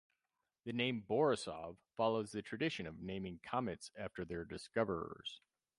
The name Borisov follows the tradition of naming comets after their discoverers.